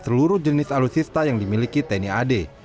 seluruh jenis alutsista yang dimiliki tni ad